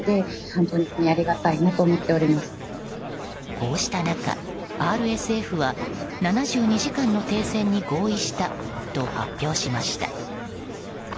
こうした中、ＲＳＦは７２時間の停戦に合意したと発表しました。